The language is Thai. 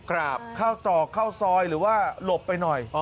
เข้าตรอกเข้าซอยหรือว่าหลบไปหน่อย